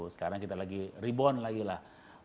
sekarang kita lagi rebound lagi lah